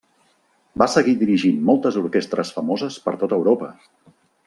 Va seguir dirigint moltes orquestres famoses per tot Europa.